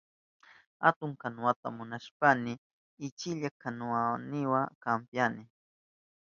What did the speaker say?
Atun kanuwata munashpayni uchilla kanuwayniwa kampyani.